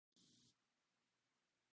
ওহ দুঃখিত - ঠিক আছে - তুমি করেছ?